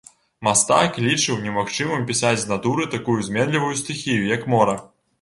Мастак лічыў немагчымым пісаць з натуры такую зменлівую стыхію, як мора.